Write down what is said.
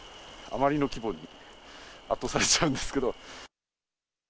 あまりの規模に圧倒されちゃうんですけど。